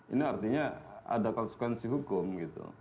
ini artinya ada konsekuensi hukum gitu